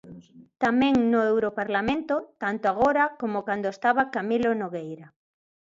Tamén no Europarlamento, tanto agora como cando estaba Camilo Nogueira.